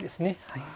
はい。